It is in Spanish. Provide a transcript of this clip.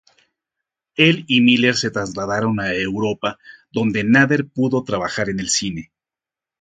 Él y Miller se trasladaron a Europa, donde Nader pudo trabajar en el cine.